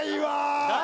・誰？